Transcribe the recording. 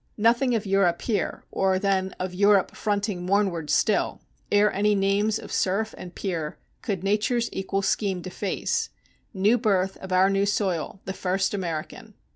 Nothing of Europe here, Or, then, of Europe fronting mornward still, Ere any names of Serf and Peer, Could Nature's equal scheme deface; New birth of our new soil, the first American."